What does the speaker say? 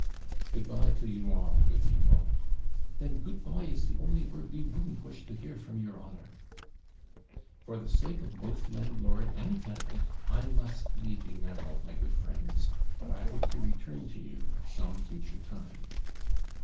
'Good bye to you all, good people!' 'Then GOOD BYE is the only word we wouldn't wish to hear from your honour.' 'For the sake both of landlord and tenant, I must leave you now, my good friends; but I hope to return to you at some future time.'